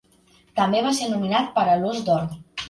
També va ser nominat per a l'Ós d'Or.